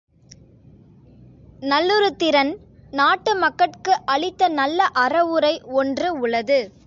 நல்லுருத்திரன், நாட்டு மக்கட்கு அளித்த நல்ல அறவுரை ஒன்று உளது.